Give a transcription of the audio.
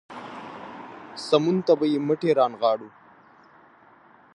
سمون ته به يې مټې رانغاړم.